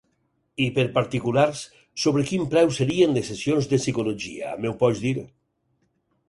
I per particulars sobre quin preu serien les sessions de psicologia, m'ho pots dir?